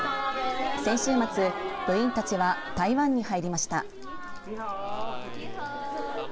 先週末、部員たちは台湾に入りました。